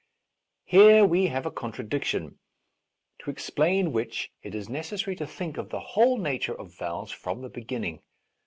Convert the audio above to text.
Here we have a contradiction, to explain which it is necessary to think of the whole nature of vows from the beginning.